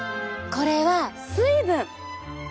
これは水分。